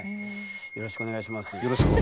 よろしくお願いします。